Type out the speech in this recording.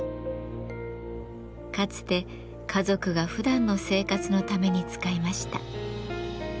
かつて家族がふだんの生活のために使いました。